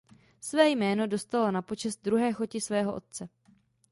Své jméno dostala na počest druhé choti svého otce.